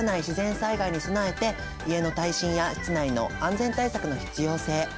自然災害に備えて家の耐震や室内の安全対策の必要性